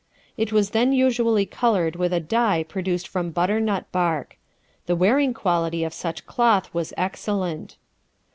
It was then usually colored with a dye produced from butternut bark. The wearing quality of such cloth was excellent.